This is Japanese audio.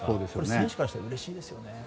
選手からしたらうれしいですよね。